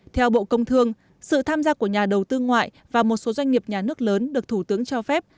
theo bộ công thương sự tham gia của nhà đầu tư ngoại và một số doanh nghiệp nhà nước lớn được thủ tướng cho phép